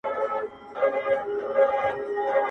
کټو په درې واره ماتېږي.